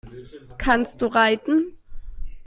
Kannst du reiten?